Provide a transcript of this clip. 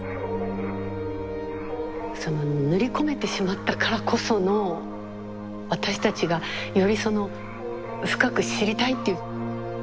その塗り込めてしまったからこその私たちがよりその深く知りたいっていう。